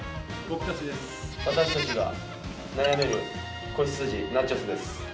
私たちが悩める子羊ナチョス。です。